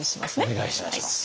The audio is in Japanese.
お願いします。